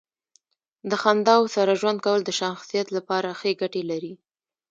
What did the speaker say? د خنداوو سره ژوند کول د شخصیت لپاره ښې ګټې لري.